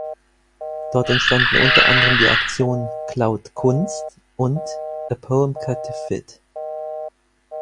Dort entstanden unter anderem die Aktionen „Klaut Kunst“ und „A Poem cut to fit“.